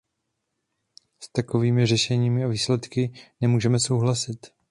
S takovými řešeními a výsledky nemůžeme souhlasit.